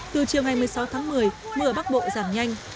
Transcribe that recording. từ chiều ngày một mươi sáu tháng một mươi mưa ở bắc bộ giảm nhanh